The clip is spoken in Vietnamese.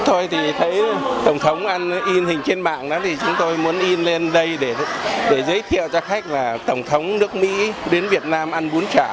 thôi thì thấy tổng thống in hình trên mạng đó thì chúng tôi muốn in lên đây để giới thiệu cho khách là tổng thống nước mỹ đến việt nam ăn bún chả